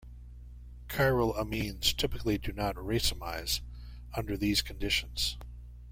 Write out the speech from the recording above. Chiral amines typically do not racemize under these conditions.